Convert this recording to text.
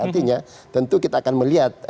artinya tentu kita akan melihat